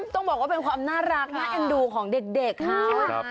ต้องบอกว่าเป็นความน่ารักน่าเอ็นดูของเด็กค่ะ